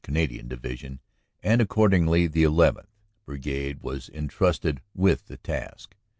Canadian Division, and accordingly the llth. Brigade was entrusted with the task.